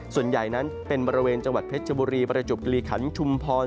ส่วนใหญ่นั้นเป็นบรรเวณจังหวัดเพชรบุรีปรจบตรีขันต์ชุมพล๕๔